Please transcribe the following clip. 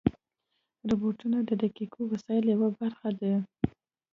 روبوټونه د دقیقو وسایلو یوه برخه دي.